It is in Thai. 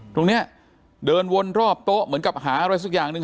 ตรงนี้เดินวนรอบโต๊ะเหมือนกับหาอะไรสักอย่างหนึ่ง